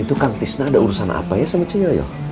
itu kan tisna ada urusan apa ya sama coyoyo